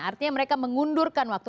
artinya mereka mengundurkan waktu